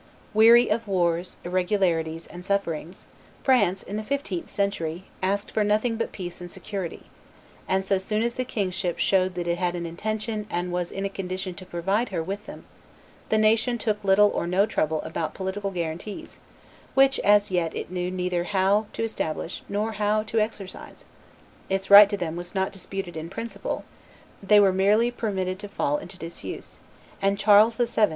Weary of wars, irregularities, and sufferings, France, in the fifteenth century, asked for nothing but peace and security; and so soon as the kingship showed that it had an intention and was in a condition to provide her with them, the nation took little or no trouble about political guarantees which as yet it knew neither how to establish nor how to exercise; its right to them was not disputed in principle, they were merely permitted to fall into desuetude; and Charles VII.